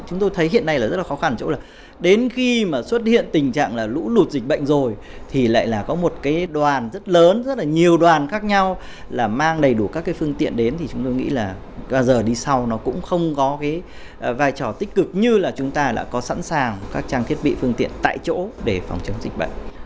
chúng tôi thấy hiện nay là rất là khó khăn chỗ là đến khi mà xuất hiện tình trạng là lũ lụt dịch bệnh rồi thì lại là có một cái đoàn rất lớn rất là nhiều đoàn khác nhau là mang đầy đủ các cái phương tiện đến thì chúng tôi nghĩ là giờ đi sau nó cũng không có cái vai trò tích cực như là chúng ta đã có sẵn sàng các trang thiết bị phương tiện tại chỗ để phòng chống dịch bệnh